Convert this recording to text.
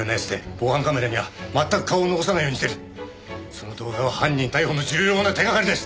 その動画は犯人逮捕の重要な手掛かりです。